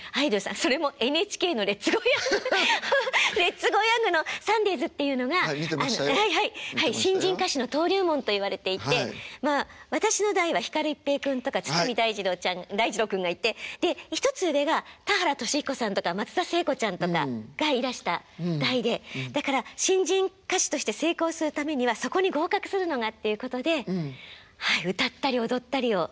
それもＮＨＫの「レッツゴーヤング」「レッツゴーヤング」のサンデーズっていうのが新人歌手の登竜門といわれていてまあ私の代はひかる一平君とか堤大二郎ちゃん大二郎君がいてで１つ上が田原俊彦さんとか松田聖子ちゃんとかがいらした代でだから新人歌手として成功するためにはそこに合格するのがっていうことで歌ったり踊ったりを。